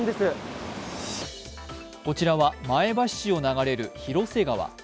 こちらは前橋市を流れる広瀬川。